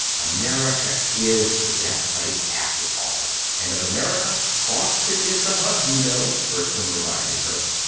America IS the best place, after all!" "And of America, Boston is the Hub, you know," Bertram reminded her.